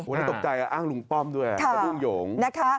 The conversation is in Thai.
โหน่าตกใจอ้างลุงป้อมด้วยลุงหยง